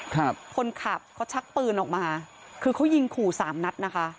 ครับคนขับเขาชักปืนออกมาคือเขายิงขู่สามนัดนะคะ